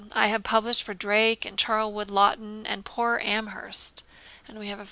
I have published for Drake and Charlwood Lawton, and poor Amhurst [Footnote: See Note 4.